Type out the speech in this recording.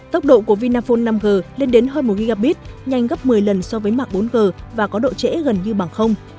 tốc độ của vinaphone năm g lên đến hơn một gigabit nhanh gấp một mươi lần so với mạng bốn g và có độ trễ gần như bằng